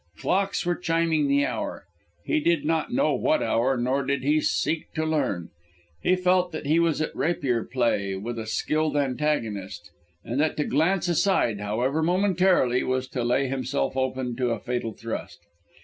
Clocks were chiming the hour he did not know what hour, nor did he seek to learn. He felt that he was at rapier play with a skilled antagonist, and that to glance aside, however momentarily, was to lay himself open to a fatal thrust.